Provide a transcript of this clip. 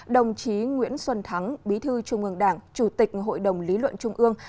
đồng chí nguyễn xuân thắng bí thư trung ương đảng chủ tịch hội đồng lý luận trung ương